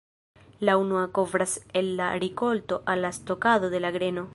La unua kovras el la rikolto al la stokado de la greno.